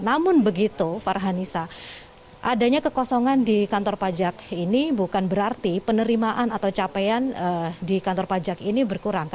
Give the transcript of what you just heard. namun begitu farhanisa adanya kekosongan di kantor pajak ini bukan berarti penerimaan atau capaian di kantor pajak ini berkurang